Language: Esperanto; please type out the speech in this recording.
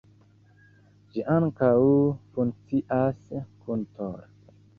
Ĝi ankaŭ funkcias kun Tor.